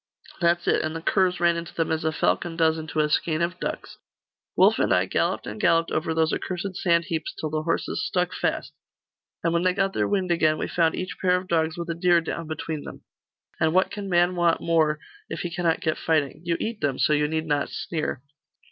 'That's it and the curs ran into them as a falcon does into a skein of ducks. Wulf and I galloped and galloped over those accursed sand heaps till the horses stuck fast; and when they got their wind again, we found each pair of dogs with a deer down between them and what can man want more, if he cannot get fighting? You eat them, so you need not sneer.